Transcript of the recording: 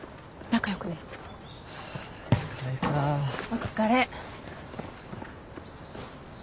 お疲れ。